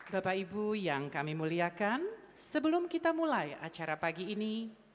bapak ibu yang kami muliakan sebelum kita mulai acara pagi ini